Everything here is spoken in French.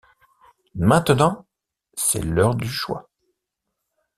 Maintenant c'est l'heure du choix.